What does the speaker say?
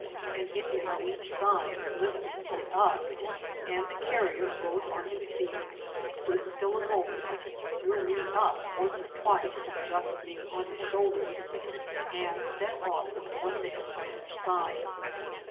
An Indian on each side lifted it up, and the carrier rose on his feet, stood still a moment, threw me up once or twice to adjust me on his shoulders, and set off with one man on each side.